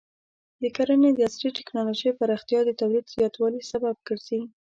د کرنې د عصري ټکنالوژۍ پراختیا د تولید زیاتوالي سبب ګرځي.